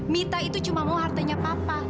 mita itu cuma mau hartanya papa